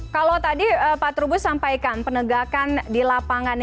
kalau tadi pak trubus sampaikan penegakan di lapangan